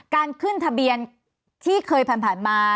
การขึ้นทะเบียนที่เคยผ่านมา